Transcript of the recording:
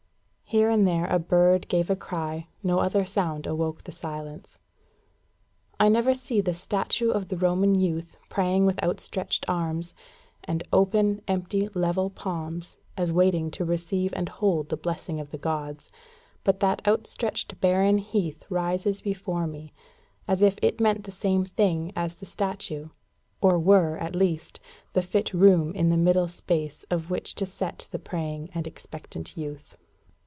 Here and there a bird gave a cry; no other sound awoke the silence. I never see the statue of the Roman youth, praying with outstretched arms, and open, empty, level palms, as waiting to receive and hold the blessing of the gods, but that outstretched barren heath rises before me, as if it meant the same thing as the statue or were, at least, the fit room in the middle space of which to set the praying and expectant youth.